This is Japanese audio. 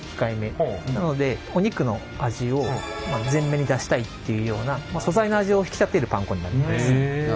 なのでお肉の味を全面に出したいっていうような素材の味を引き立てるパン粉になってます。